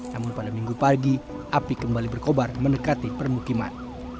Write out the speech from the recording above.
namun pada minggu pagi api kembali berkobar mendekati permukiman